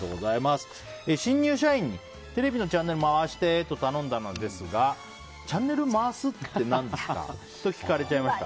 新入社員にテレビのチャンネル回してと頼んだのですがチャンネル回すって何？って聞かれました。